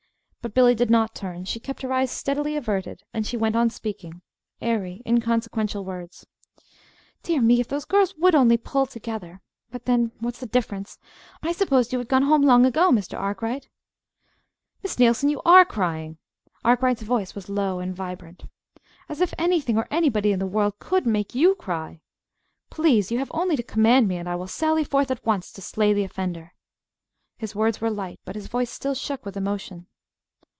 But Billy did not turn. She kept her eyes steadily averted; and she went on speaking airy, inconsequential words. "Dear me, if those girls would only pull together! But then, what's the difference? I supposed you had gone home long ago, Mr. Arkwright." "Miss Neilson, you are crying!" Arkwright's voice was low and vibrant. "As if anything or anybody in the world could make you cry! Please you have only to command me, and I will sally forth at once to slay the offender." His words were light, but his voice still shook with emotion.